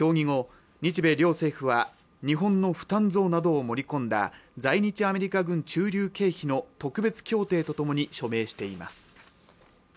後日米両政府は日本の負担増などを盛り込んだ在日アメリカ軍駐留経費の特別協定とともに署名しています